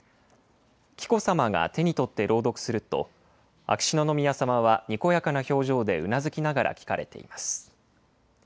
紀子さまが手に取って朗読すると、秋篠宮さまはにこやかな表情でうなずきながら聞かれています。